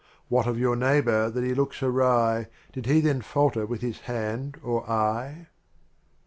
Wilat Of yOUf neighbor, that he looks awry, Did He then falter with hia hand or eye